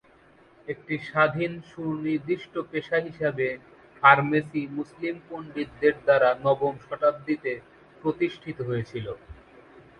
একটি স্বাধীন, সুনির্দিষ্ট পেশা হিসাবে ফার্মেসি মুসলিম পণ্ডিতদের দ্বারা নবম শতাব্দীতে প্রতিষ্ঠিত হয়েছিল।